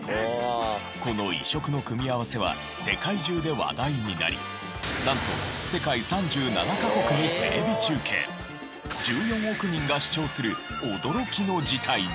この異色の組み合わせは世界中で話題になりなんと１４億人が視聴する驚きの事態に！